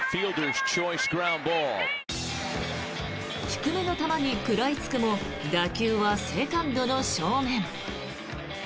低めの球に食らいつくも打球はセカンドの正面。